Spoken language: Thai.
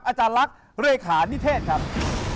อาจารย์ลักษณ์เลขานิเทศครับ